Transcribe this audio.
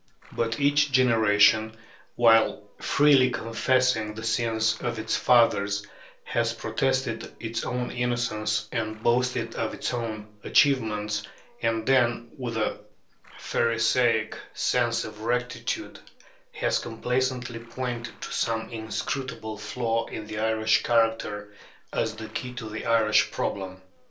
But each generation, while freely confessing the sins of its fathers, has protested its own innocence and boasted of its own achievements, and then, with a pharisaic sense of rectitude, has complacently pointed to some inscrutable flaw in the Irish character as the key to the Irish problem.